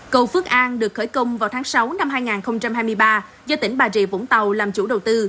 cầu phước an được khởi công vào tháng sáu năm hai nghìn hai mươi ba do tỉnh bà rịa vũng tàu làm chủ đầu tư